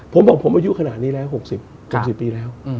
ผมบอกผมอายุขนาดนี้แล้ว๖๐๖๐ปีแล้ว